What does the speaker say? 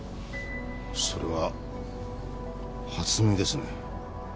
それは初耳ですね。